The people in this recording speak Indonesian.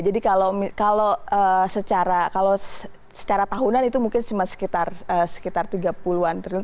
jadi kalau secara tahunan itu mungkin cuma sekitar tiga puluh an